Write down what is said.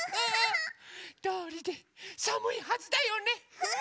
どうりでさむいはずだよね。